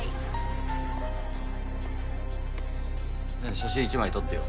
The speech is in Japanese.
写真１枚撮ってよ。